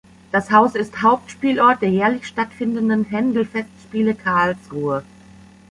Das Haus ist Hauptspielort der jährlich stattfindenden Händel-Festspiele Karlsruhe.